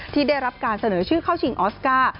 ที่ได้รับการเสนอชื่อเข้าชิงออสการ์